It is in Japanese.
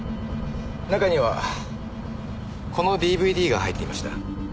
中にはこのＤＶＤが入っていました。